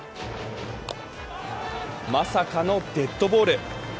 まさかのデッドボール。